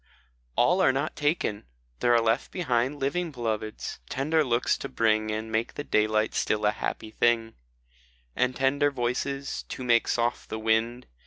A LL are not taken ! there are left behind Living Beloveds, tender looks to bring, And make the daylight still a happy thing, And tender voices, to make soft the wind.